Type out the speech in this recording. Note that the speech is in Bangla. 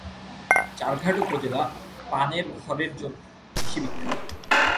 চারঘাট উপজেলা পান এর খড়ের জন্য বেশি বিখ্যাত।